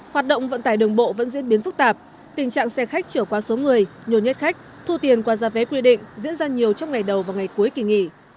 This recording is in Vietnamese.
hoạt động vận tải đường bộ vẫn diễn biến phức tạp tình trạng xe khách trở qua số người nhiều nhất khách thu tiền qua gia vé quy định diễn ra nhiều trong ngày đầu và ngày cuối kỳ nghỉ